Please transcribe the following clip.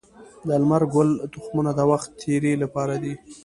د لمر ګل تخمونه د وخت تیري لپاره دي.